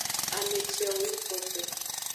Ame cewo yi kpoto.